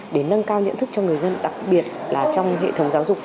để nâng cao nhận thức cho người dân đặc biệt là trong hệ thống giáo dục